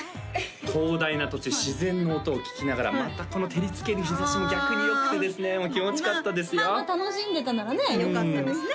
広大な土地自然の音を聞きながらまたこの照りつける日差しも逆によくてですね気持ちよかったですよまあまあ楽しんでたならねよかったですね